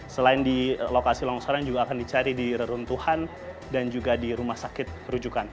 selain di lokasi longsoran juga akan dicari di reruntuhan dan juga di rumah sakit rujukan